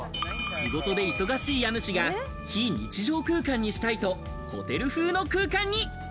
仕事で忙しい家主が、非日常空間にしたいとホテル風の空間に。